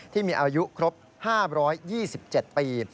ที่มีอายุครบ๕๒๗ปี